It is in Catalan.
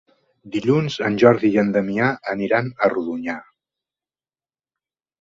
Dilluns en Jordi i en Damià aniran a Rodonyà.